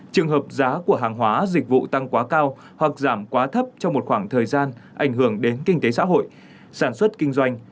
trường hợp giá của hàng hóa dịch vụ tăng quá cao hoặc giảm quá thấp trong một khoảng thời gian ảnh hưởng đến kinh tế xã hội sản xuất kinh doanh